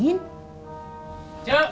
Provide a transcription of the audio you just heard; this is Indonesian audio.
iya sebentar kang